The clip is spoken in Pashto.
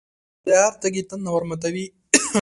د هر تږي تنده ورماتوي.